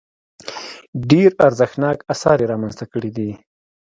ډېر ارزښتناک اثار یې رامنځته کړي دي.